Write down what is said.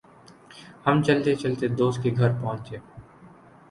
ہم چلتے چلتے دوست کے گھر پہنچے ۔